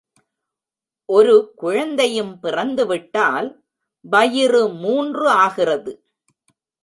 ஒரு குழந்தையும் பிறந்து விட்டால், வயிறு மூன்று ஆகிறது.